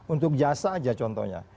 untuk jaksa aja contohnya